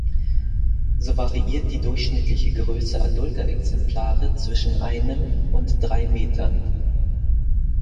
So variiert die durchschnittliche Größe adulter Exemplare zwischen einem und drei Metern.